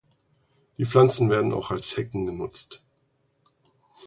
Die Pflanzen werden auch als Hecken genutzt.